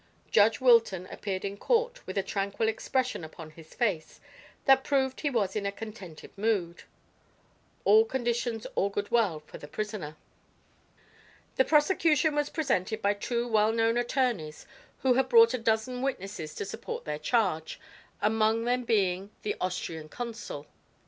Judge Wilton appeared in court with a tranquil expression upon his face that proved he was in a contented mood. All conditions augured well for the prisoner. The prosecution was represented by two well known attorneys who had brought a dozen witnesses to support their charge, among them being the Austrian consul.